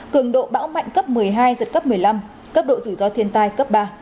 cường độ bão mạnh cấp một mươi hai giật cấp một mươi năm cấp độ rủi ro thiên tai cấp ba